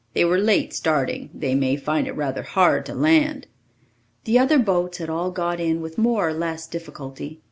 "They were late starting. They may find it rather hard to land." The other boats had all got in with more or less difficulty.